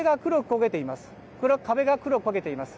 壁が黒く焦げています。